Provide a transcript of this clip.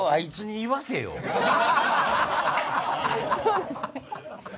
そうですね。